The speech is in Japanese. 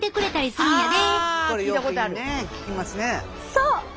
そう。